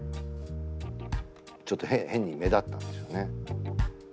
ちょっと変に目立ったんでしょうね。